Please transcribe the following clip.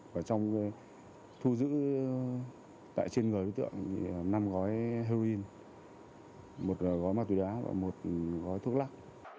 và trong thu giữ tại trên người đối tượng năm gói heroin một gói ma túy đá và một gói thuốc lắc